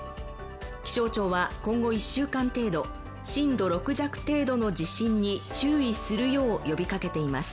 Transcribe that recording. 気象庁は今後１週間程度、震度６弱程度の地震に注意するよう呼びかけています。